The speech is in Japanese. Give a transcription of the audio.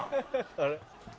あれ？